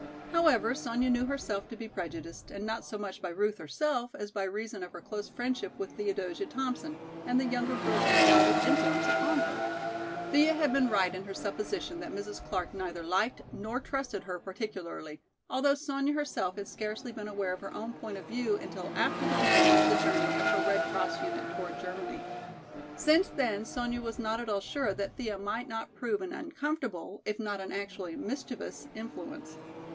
However, Sonya knew herself to be prejudiced and not so much by Ruth herself as by reason of her close friendship with Theodosia Thompson and the younger girl's undoubted influence upon her. Thea had been right in her supposition that Mrs. Clark neither liked nor trusted her particularly, although Sonya herself had scarcely been aware of her own point of view until after the beginning of the journey of her Red Cross unit toward Germany. Since then Sonya was not at all sure that Thea might not prove an uncomfortable if not an actually mischievous influence.